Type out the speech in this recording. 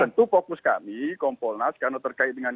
tentu fokus kami kompolnas karena terkait dengan